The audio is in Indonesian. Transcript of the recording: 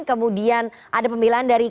kemudian ada pembilan dari